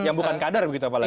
yang bukan kader begitu apalagi